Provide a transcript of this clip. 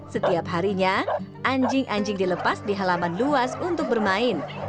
setiap harinya anjing anjing dilepas di halaman luas untuk bermain